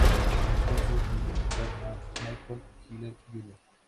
Es conocido por interpretar a Michael Kyle, Jr.